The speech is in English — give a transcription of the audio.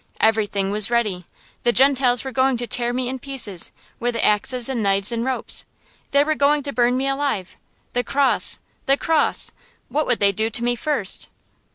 Everything was ready. The Gentiles were going to tear me in pieces, with axes and knives and ropes. They were going to burn me alive. The cross the cross! What would they do to me first?